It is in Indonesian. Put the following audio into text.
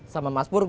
sama mas pur